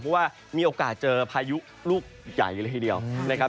เพราะว่ามีโอกาสเจอพายุลูกใหญ่นึกอย่างหนึ่งเลย